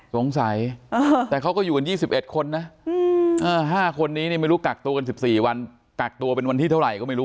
สงสัยแต่เขาก็อยู่กัน๒๑คนนะ๕คนนี้ไม่รู้กักตัวกัน๑๔วันกักตัวเป็นวันที่เท่าไหร่ก็ไม่รู้